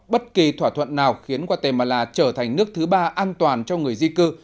bất kỳ thỏa thuận nào khiến guatemala trở thành nước thứ ba an toàn cho người di cư